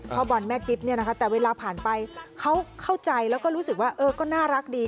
พ่อบอลแม่จิ๊บเนี่ยนะคะแต่เวลาผ่านไปเขาเข้าใจแล้วก็รู้สึกว่าเออก็น่ารักดี